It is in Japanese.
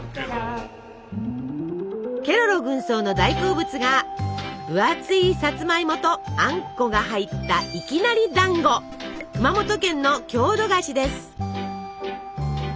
ケロロ軍曹の大好物が分厚いさつまいもとあんこが入った熊本県の郷土菓子です。